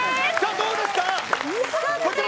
どうですか。